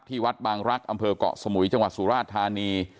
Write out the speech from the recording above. วัดบางรักษ์อำเภอกเกาะสมุยจังหวัดสุราชธานี